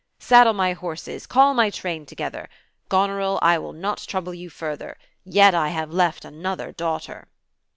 Saddle my horses, call my train together. Goneril, I will not trouble you further — ^yet I have left another daughter."